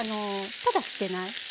ただ捨てない。